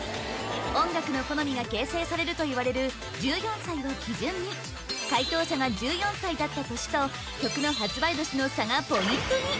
音楽の好みが形成されるといわれる１４歳を基準に解答者が１４歳だった年と曲の発売年の差がポイントに！